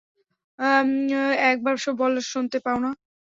একবার বললে শোনতে পাও না?